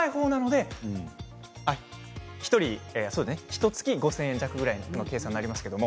ひとつきにすると５０００円弱の計算になります。